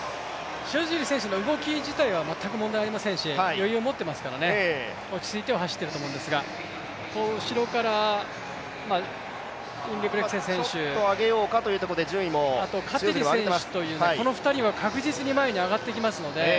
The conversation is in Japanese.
塩尻選手の動き自体は全く問題ありませんし余裕をもっていますからね、落ち着いて走っているとは思うんですが後ろからインゲブリクセン選手、あとカティル選手、この２人は確実に前に上がってきますので。